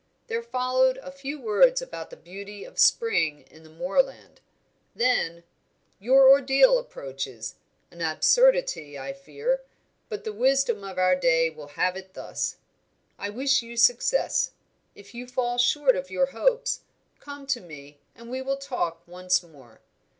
There followed a few words about the beauty of spring in the moorland; then: "Your ordeal approaches. An absurdity, I fear, but the wisdom of our day will have it thus. I wish you success. If you fall short of your hopes, come to me and we will talk once more.